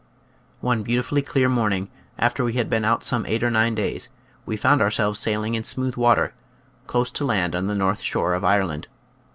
One beautifully clear morning, after we had been out some eight or nine days, we found ourselves sailing in smooth water, close to land on the north shore of Ireland.